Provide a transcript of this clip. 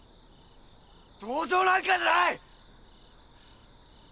同情なんかじゃない！